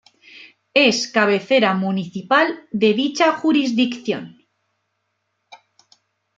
Es cabecera municipal de dicha jurisdicción.